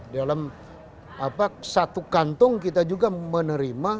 dalam satu kantong kita juga menerima